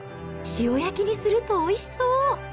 塩焼きにするとおいしそう。